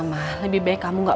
kami keterima peruntungan